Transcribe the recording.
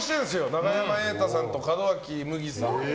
永山瑛太さんと門脇麦さん。